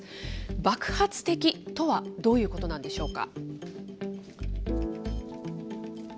爆発的とはどういうことなんでしょうか。